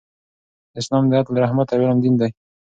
اسلام د عدل، رحمت او علم دین دی.